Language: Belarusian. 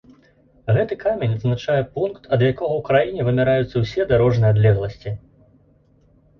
Гэты камень адзначае пункт, ад якога ў краіне вымяраюцца ўсе дарожныя адлегласці.